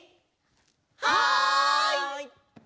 はい！